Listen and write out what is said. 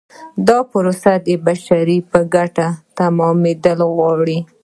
دا پروسه د بشر په ګټه تمامیدل غواړي.